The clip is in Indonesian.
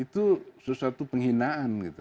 itu sesuatu penghinaan